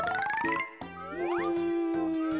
うん。